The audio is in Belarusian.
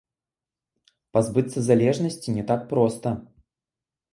Пазбыцца залежнасці не так проста.